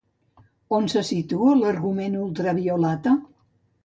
On se situa l'argument d'Ultraviolata?